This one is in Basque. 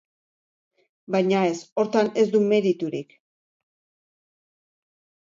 Baina ez, hortan ez du meriturik.